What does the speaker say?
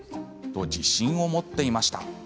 と自信を持っていました。